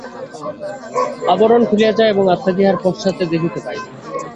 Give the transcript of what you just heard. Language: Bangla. আবরণ খুলিয়া যায় এবং আত্মাকে ইহার পশ্চাতে দেখিতে পাই।